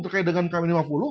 terkait dengan km lima puluh